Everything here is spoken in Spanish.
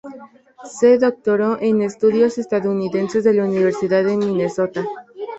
Se doctoró en estudios estadounidenses en la Universidad de Minnesota.